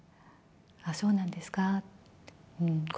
そうなんですか？